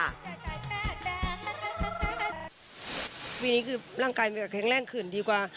ปีนี้คือร่างกายมันก็แข็งแรงขึ้นดีกว่า